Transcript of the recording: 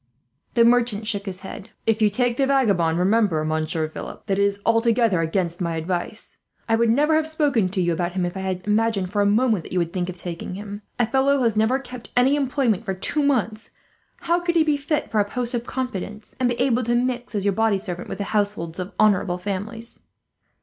The merchant shook his head. "If you take the vagabond, remember, Monsieur Philip, that it is altogether against my advice. I would never have spoken to you about him, if I had imagined for a moment that you would think of taking him. A fellow who has never kept any employment for two months, how could he be fit for a post of confidence, and be able to mix as your body servant with the households of honourable families?"